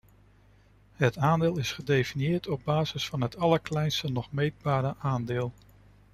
Het aandeel is gedefinieerd op basis van het allerkleinste nog meetbare aandeel.